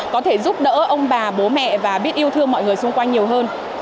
có thể giúp đỡ ông bà bố mẹ và biết yêu thương mọi người xung quanh nhiều hơn